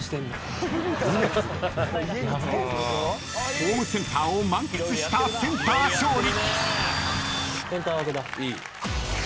［ホームセンターを満喫したセンター勝利］